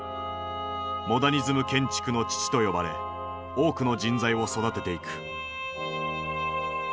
「モダニズム建築の父」と呼ばれ多くの人材を育てていく。